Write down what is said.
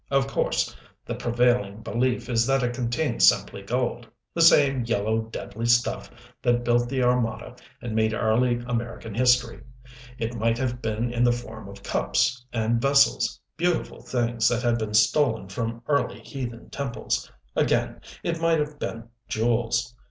Of course the prevailing belief is that it contained simply gold the same, yellow, deadly stuff that built the Armada and made early American history. It might have been in the form of cups and vessels, beautiful things that had been stolen from early heathen temples again it might have been jewels.